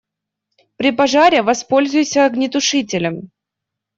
При пожаре воспользуйся огнетушителем.